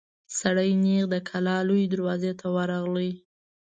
سړی نېغ د کلا لويي دروازې ته ورغی.